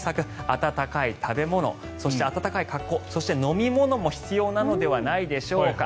温かい食べ物そして暖かい格好、飲み物も必要ではないでしょうか。